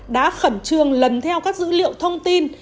đã khẩn trương lần theo các dữ liệu thông tin